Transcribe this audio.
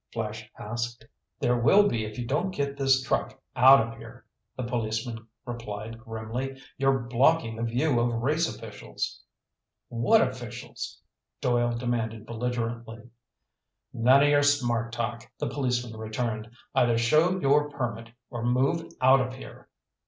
Flash asked. "There will be if you don't get this truck out of here!" the policeman replied grimly. "You're blocking the view of race officials." "What officials?" Doyle demanded belligerently. "None of your smart talk," the policeman returned. "Either show your permit or move out of here!"